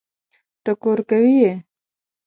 ټکور کوي یې.